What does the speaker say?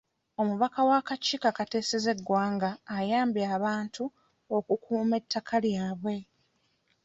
Omubaka w'akakiiko akateeseza eggwanga ayambye abantu okukuuma ettaka lyabwe.